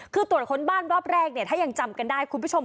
คือตรวจค้นบ้านรอบแรกเนี่ยถ้ายังจำกันได้คุณผู้ชม